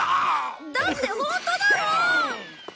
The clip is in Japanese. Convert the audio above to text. だってホントだもん！